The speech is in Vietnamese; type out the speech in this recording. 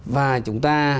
và chúng ta